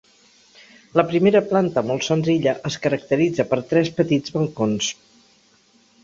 La primera planta, molt senzilla, es caracteritza per tres petits balcons.